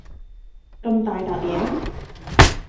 咁大疊嘢